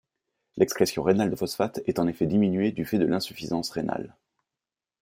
L'excrétion rénale de phosphate est en effet diminuée du fait de l'insuffisance rénale.